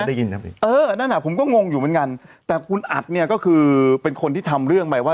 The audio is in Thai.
ได้ยินนะพี่เออนั่นอ่ะผมก็งงอยู่เหมือนกันแต่คุณอัดเนี่ยก็คือเป็นคนที่ทำเรื่องไปว่า